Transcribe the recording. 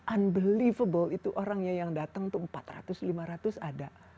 unbelievable itu orangnya yang datang itu empat ratus lima ratus ada